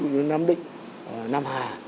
nam định nam hà